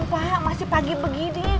tumpah masih pagi begini